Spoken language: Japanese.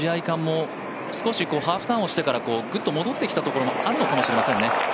勘も少しハーフターンをしてからぐっと戻ってきたところもあるのかもしれませんね。